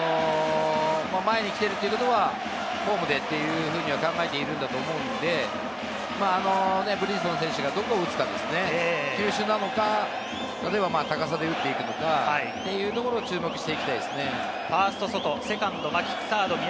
前に来ているということは、ホームでというふうに考えていると思うので、ブリンソン選手がどこ打つかですね、球種なのか、高さで打っていくのか注目していきたいですね。